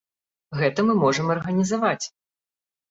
Гэта мы зможам арганізаваць.